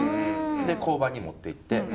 交番に持っていって。